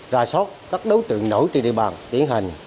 ra soát các đối tượng nổi từ địa bàn tiến hành